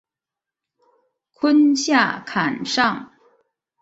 坤下坎上。